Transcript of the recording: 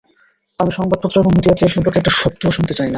আমি সংবাদপত্র এবং মিডিয়াতে এসম্পর্কে একটা শব্দও শুনতে চাই না।